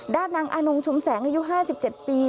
ด้านนางอนงชุมแสงอายุ๕๗ปี